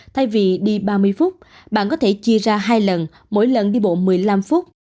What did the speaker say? thay vì đi ba mươi phút bạn có thể chia ra hai lần mỗi lần đi bộ một mươi năm phút